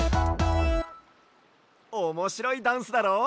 おもしろいダンスだろ？